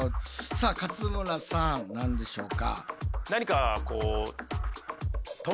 さあ勝村さん何でしょうか？